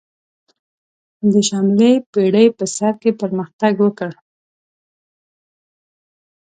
د شلمې پیړۍ په سر کې پرمختګ وکړ.